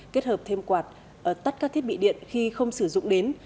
kết hợp thêm quạt tắt các thiết bị điện khi không sử dụng đến